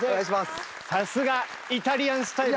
さすがイタリアンスタイルで。